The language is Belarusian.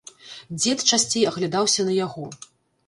Дзед часцей аглядаўся на яго.